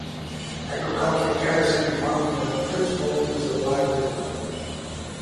Agricultural terracing and farming are the principal means of livelihood.